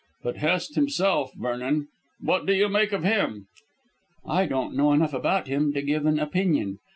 But Hest himself, Vernon. What do you make of him?" "I don't know enough about him to give an opinion.